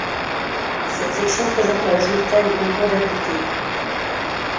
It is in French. Cette section présente le résultat du concours d'habiletés.